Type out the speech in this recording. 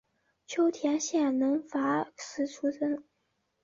秋田县能代市出身。